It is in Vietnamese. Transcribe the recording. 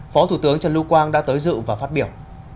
phó thủ tướng trần lưu quang đã tới dự và phát biểu